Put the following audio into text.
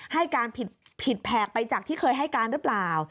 ให้การผิดแผกไปจากที่เคยให้การหรือเปล่า